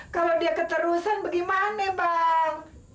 kalau dia keterusan bagaimana bang